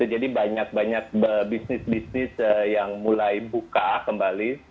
jadi banyak banyak bisnis bisnis yang mulai buka kembali